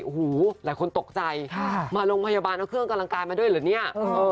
โอ้โหหลายคนตกใจมาโรงพยาบาลเอาเครื่องกำลังกายมาด้วยเหรอเนี่ย